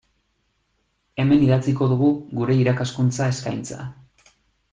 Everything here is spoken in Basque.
Hemen idatziko dugu gure irakaskuntza eskaintza.